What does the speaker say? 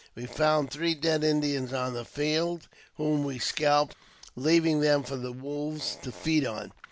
We found three dead Indians on the field, whom we scalped, leaving them for the wolves to feed on.